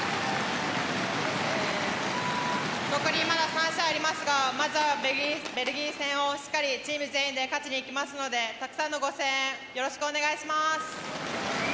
残り、まだ３試合ありますがまずはベルギー戦をしっかりチーム全員で勝ちにいきますのでたくさんのご声援よろしくお願いします。